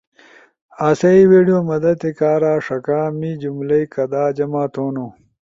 آسئی ویڈیو مدد تے کارا ݜکا۔ می جملئی کدا جمع تھونو؟